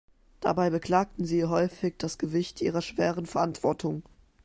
Dabei beklagten sie häufig das Gewicht ihrer schweren Verantwortung.